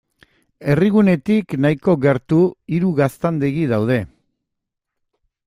Herrigunetik nahiko gertu, hiru gaztandegi daude.